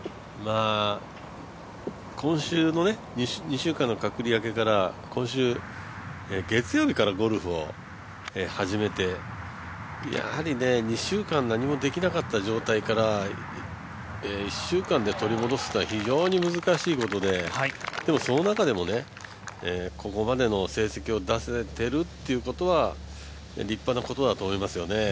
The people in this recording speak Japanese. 今週の２週間の隔離明けから今週月曜日からゴルフを始めて２週間何もできなかった状態から１週間で取り戻すというのは非常に難しいことででもその中でもここまでの成績を出せているということは立派なことだと思いますよね。